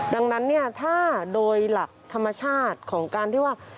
ดังนั้นเนี่ยถ้าโดยหลักธรรมชาติของการที่ว่า